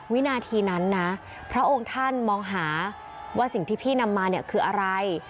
วินาทีนั้นนะพระองค์ท่านมองหาว่าสิ่งที่พี่นำมาเนี่ยคืออะไร